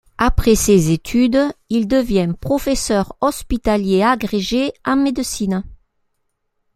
Après ses études, il devient professeur hospitalier agrégé en médecine.